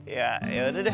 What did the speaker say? ya yaudah deh